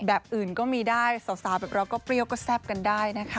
แบบอื่นก็มีได้สาวแบบเราก็เปรี้ยวก็แซ่บกันได้นะคะ